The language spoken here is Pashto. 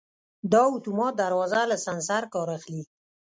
دا اتومات دروازه له سنسر کار اخلي.